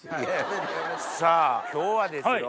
さぁ今日はですよ